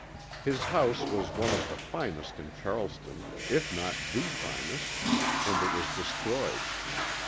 His house was one of the finest in Charleston, if not the finest, and it was destroyed.